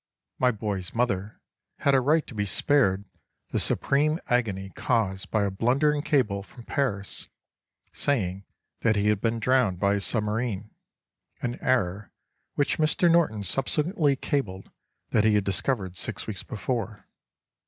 My boy's mother had a right to be spared the supreme agony caused by a blundering cable from Paris saying that he had been drowned by a submarine. (An error which Mr. Norton subsequently cabled that he had discovered six weeks before.)